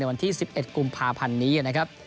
วันที่๑๑กุมภาพันธ์นี้นะครับ